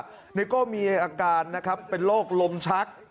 คุณผู้ชมก็มีอาการนะครับเป็นโรคลมชัก